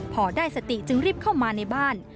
พอได้สติจึงรีบเข้ามาในบ้าน